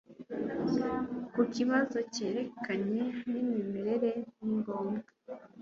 Ku kibazo cyerekeranye nimirire ni ngombwa